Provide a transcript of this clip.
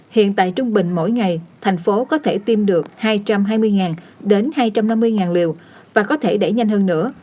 hiện tại trung bình mỗi ngày thành phố có thể tiêm được hai trăm hai mươi đến hai trăm năm mươi liều và có thể đẩy nhanh hơn nữa